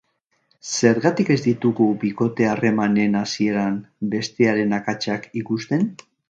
Zergatik ez ditugu bikote harremanen hasieran bestearen akatsak ikusten?